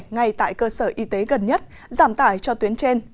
ngay tại cơ sở y tế gần nhất giảm tải cho tuyến trên